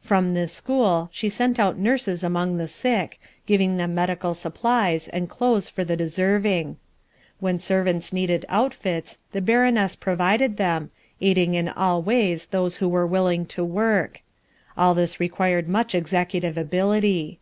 From this school she sent out nurses among the sick, giving them medical supplies, and clothes for the deserving. When servants needed outfits, the Baroness provided them, aiding in all ways those who were willing to work. All this required much executive ability.